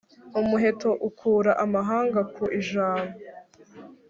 Umuheto ukura amahanga ku ijabo,